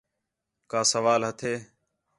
کا سوال ہتھے؟